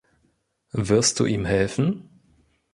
Wirst du ihm helfen?